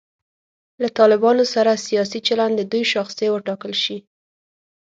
له طالبانو سره سیاسي چلند د دوی شاخصې وټاکل شي.